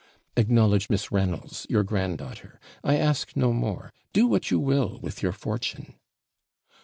'Acknowledge Miss Reynolds your grand daughter; I ask no more do what you will with your fortune.'